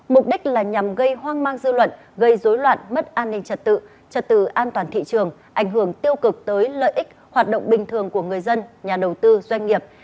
mục đích là nhằm gây hoang mang dư luận gây dối loạn mất an ninh trật tự trật tự an toàn thị trường ảnh hưởng tiêu cực tới lợi ích hoạt động bình thường của người dân nhà đầu tư doanh nghiệp